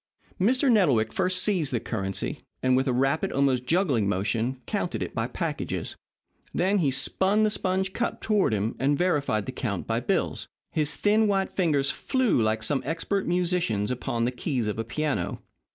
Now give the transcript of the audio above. Mr. Nettlewick first seized the currency, and with a rapid, almost juggling motion, counted it by packages. Then he spun the sponge cup toward him and verified the count by bills. His thin, white fingers flew like some expert musician's upon the keys of a piano.